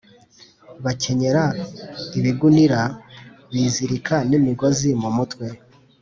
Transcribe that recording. Bakenyera ibigunira bizirika n imigozi mu mutwe